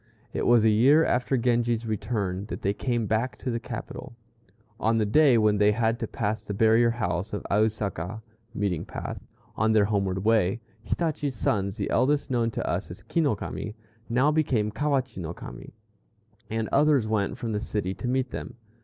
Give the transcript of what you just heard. It was a year after Genji's return that they came back to the capital. On the day when they had to pass the barrier house of Ausaka (meeting path) on their homeward way, Hitachi's sons, the eldest known to us as Ki no Kami, now became Kawachi no Kami, and others went from the city to meet them.